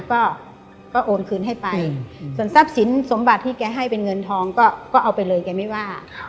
ก็ก็โอนคืนให้ไปส่วนทรัพย์สินสมบัติที่แกให้เป็นเงินทองก็เอาไปเลยแกไม่ว่า